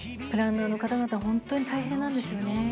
プランナーの方々、本当に大変なんですよね。